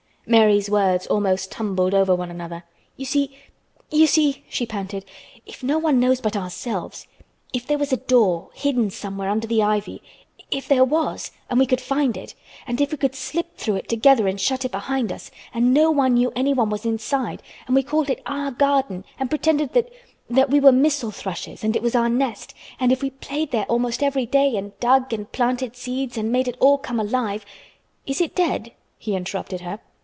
Mary's words almost tumbled over one another. "You see—you see," she panted, "if no one knows but ourselves—if there was a door, hidden somewhere under the ivy—if there was—and we could find it; and if we could slip through it together and shut it behind us, and no one knew anyone was inside and we called it our garden and pretended that—that we were missel thrushes and it was our nest, and if we played there almost every day and dug and planted seeds and made it all come alive—" "Is it dead?" he interrupted her.